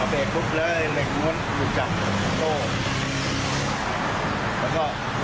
อัพเบรกปุ๊บเลยเหล็กน้อยหลุดจากโซ่